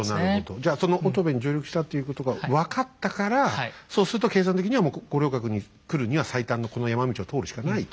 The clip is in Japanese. じゃその乙部に上陸したっていうことが分かったからそうすると計算的にはもう五稜郭に来るには最短のこの山道を通るしかないと。